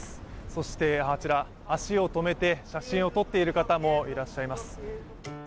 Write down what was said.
そしてあちら、足を止めて写真を撮っている方もいらっしゃいます。